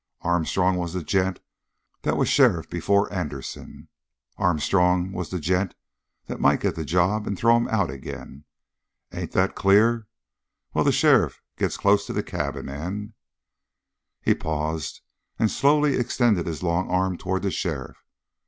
Armstrong was the gent that was sheriff before Anderson; Armstrong was the gent that might get the job and throw him out again. Ain't that clear? Well, the sheriff gets close to the cabin and " He paused and slowly extended his long arm toward the sheriff.